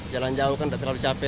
jalan jauh kan udah terlalu capek